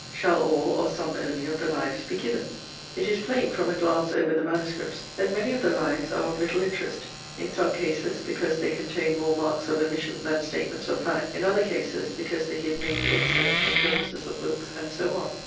Shall all, or some only, of the lives be given? It is plain, from a glance over the MSS., that many of the lives are of little interest; in some cases, because they contain more marks of omission than statements of fact; in other cases, because they give mainly excerpts from prefaces of books; and so on.